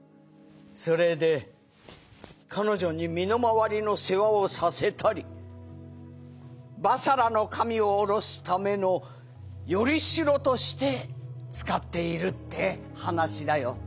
それで彼女に身の回りの世話をさせたり婆娑羅の神を降ろすための依り代として使っているって話だよ」。